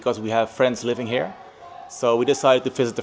chúng tôi muốn đặt đại dịch